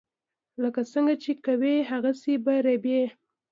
لکه څنګه چې کوې هغسې به ریبې.